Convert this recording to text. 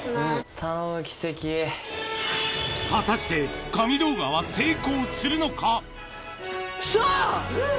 頼む、果たして神動画は成功するのしゃあー！